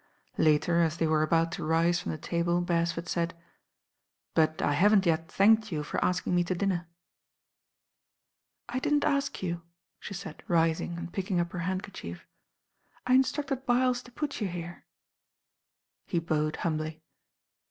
Later, as they were about to rise from the table Beresford said: "But I haven't yet thanked you for asking me to dinner." "I didn't ask you," she said rising and picking up her handkerchief. "I instructed Byles to put you here." He bowed humbly.